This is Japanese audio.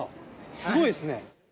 すごいですね。